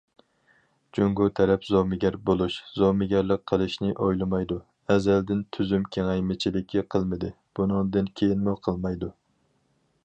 جۇڭگو تەرەپ زومىگەر بولۇش، زومىگەرلىك قىلىشنى ئويلىمايدۇ، ئەزەلدىن تۈزۈم كېڭەيمىچىلىكى قىلمىدى، بۇنىڭدىن كېيىنمۇ قىلمايدۇ.